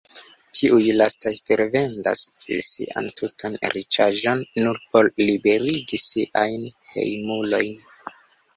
Tiuj lastaj forvendas sian tutan riĉaĵon, nur por liberigi siajn hejmulojn.